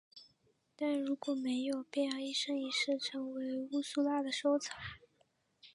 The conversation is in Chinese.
但如果没有便要一生一世成为乌苏拉的收藏。